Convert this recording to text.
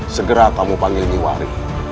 segera kamu panggil niwari